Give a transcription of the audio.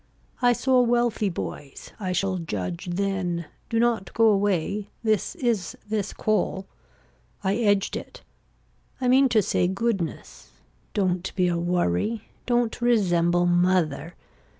I saw wealthy boys. I shall judge then. Do not go away. This is this call. I edged it. I mean to say goodness. Don't be a worry. Don't resemble mother.